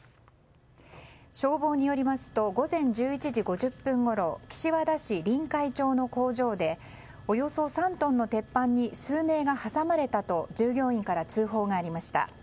消防によると午前１１時５０分ごろ岸和田市臨海町の工場でおよそ３トンの鉄板に数名が挟まれたと従業員から通報がありました。